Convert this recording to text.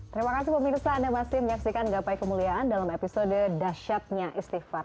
terima kasih pemirsa anda masih menyaksikan gapai kemuliaan dalam episode dasyatnya istighfar